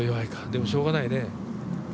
でもしょうがないね。